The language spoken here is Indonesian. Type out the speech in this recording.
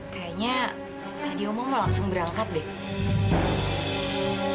kayaknya tadi oma mau langsung berangkat deh